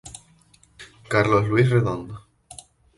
Carlos Luis Redondo.